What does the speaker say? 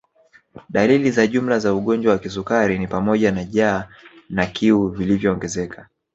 Dalili za jumla za ugonjwa wa kisukari ni pamoja na jaa na kiu viliyoongezeka